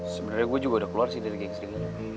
sebenernya gue juga udah keluar sih dari geng sering aja